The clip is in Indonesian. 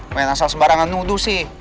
main asal sembarangan itu sih